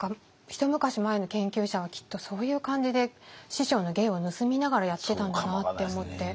一昔前の研究者はきっとそういう感じで師匠の芸を盗みながらやってたんだなって思って。